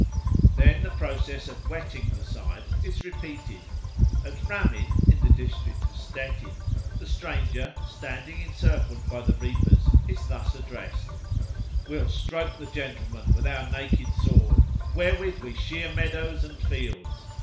Then the process of whetting the scythes is repeated. At Ramin, in the district of Stettin, the stranger, standing encircled by the reapers, is thus addressed: "We'll stroke the gentleman With our naked sword, Wherewith we shear meadows and fields.